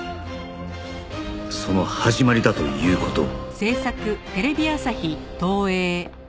その始まりだという事を